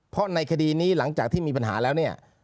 เพราะในคดีนี้หลังจากที่มีปัญหาแล้วเนี่ย